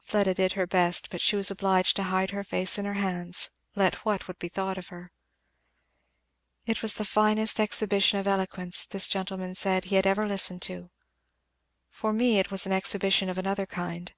Fleda did her best, but she was obliged to hide her face in her hands, let what would be thought of her. "It was the finest exhibition of eloquence, this gentleman said, he had ever listened to. For me it was an exhibition of another kind.